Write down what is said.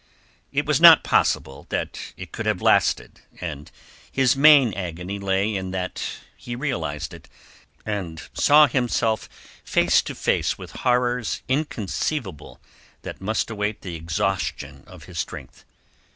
It was not possible that it could have lasted, and his main agony lay in that he realized it, and saw himself face to face with horrors inconceivable that must await the exhaustion of his strength.